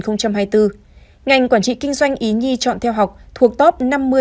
ngành quản trị kinh doanh ý nhi chọn theo học thuộc top năm mươi